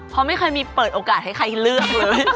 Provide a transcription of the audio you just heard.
เพราะไม่เคยมีเปิดโอกาสให้ใครเลือกเลย